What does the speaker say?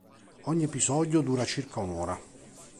Ogni episodio dura circa un'ora.